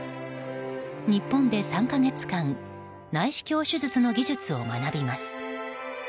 日本で３か月間内視鏡手術の技術を学びます。